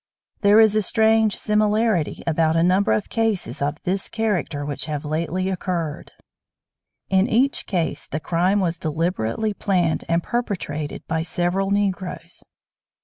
There is a strange similarity about a number of cases of this character which have lately occurred. In each case the crime was deliberately planned and perpetrated by several Negroes.